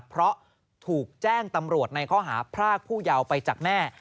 เพราะถูกแจ้งตำรวจในข้อหาพรากผู้เยาว์ไปจากแม่